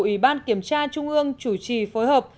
ủy ban kiểm tra trung ương chủ trì phối hợp